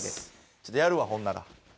ちょっとやるわほんなら。